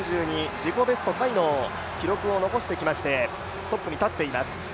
自己ベストタイの記録を残していましてトップに立っています。